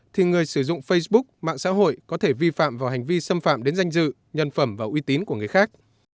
thì người sử dụng facebook mạng xã hội có thể vi phạm vào hành vi xâm phạm đến danh dự nhân phẩm và uy tín của người khác